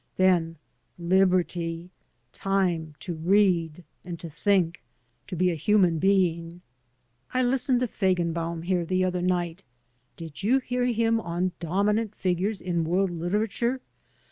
Then liberty! Time to read and to think — ^to be a human being. I listened to Feigenbaum here the other night — did you hear him on ^Dominant Figures in World literature?'